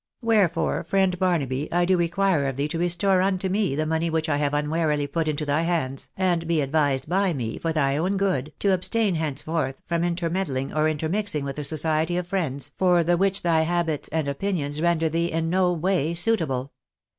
Wherefore, friend Barnaby, I do require of thee to restore unto me the money which I have unwarily put into thy hands, and be advised by me, for thy own good, to abstain henceforth from intermeddling or intermixing with the Society of Friends, for the which thy habits and opinions render thee in no way suitable.